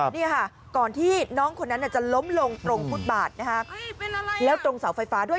นี่ค่ะก่อนที่น้องคนนั้นจะล้มลงตรงฟุตบาทนะคะแล้วตรงเสาไฟฟ้าด้วย